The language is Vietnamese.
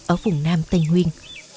ở vùng nam tây nguyên